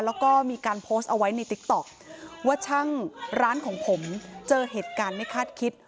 แล้วก็มีการโพสต์เอาไว้ในติ๊กต๊อกว่าช่างร้านของผมเจอเหตุการณ์ไม่คาดคิด